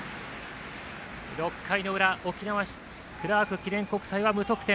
６回の裏、クラーク記念国際は無得点。